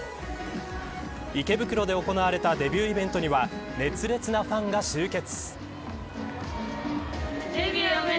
池袋で行われたデビューイベントには熱烈なファンが集結。